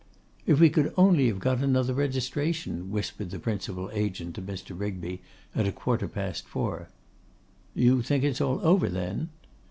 'If we could only have got another registration,' whispered the principal agent to Mr. Rigby, at a quarter past four. 'You think it's all over, then?